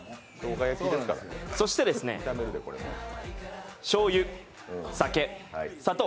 そしてですね、しょうゆ、酒、砂糖